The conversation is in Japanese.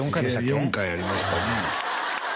４回ありましたね